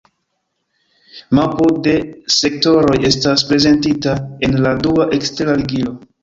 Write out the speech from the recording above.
Mapo de sektoroj estas prezentita en la dua ekstera ligilo.